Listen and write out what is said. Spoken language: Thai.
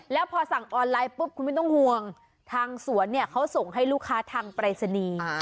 แล้วพอสั่งออนไลน์ปุ๊บคุณไม่ต้องห่วงทางสวนเนี่ยเขาส่งให้ลูกค้าทางปรายศนีย์